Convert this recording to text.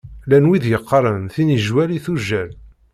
Llan wid yeqqaṛen tinijwal i tujjal.